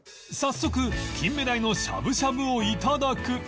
早速キンメダイのしゃぶしゃぶを頂く